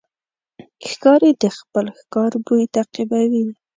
ښکاري د خپل ښکار بوی تعقیبوي.